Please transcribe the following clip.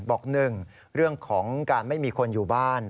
บอก๑เรื่องของการไม่มีคนอยู่บ้าน